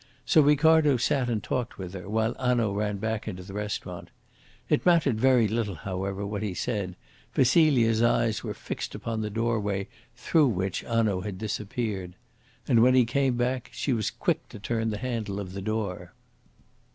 So Ricardo sat and talked with her while Hanaud ran back into the restaurant. It mattered very little, however, what he said, for Celia's eyes were fixed upon the doorway through which Hanaud had disappeared. And when he came back she was quick to turn the handle of the door.